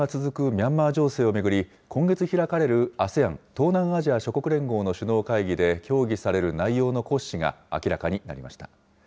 ミャンマー情勢を巡り、今月開かれるＡＳＥＡＮ・東南アジア諸国連合の首脳会議で協議される内容の骨子が明らかになりました。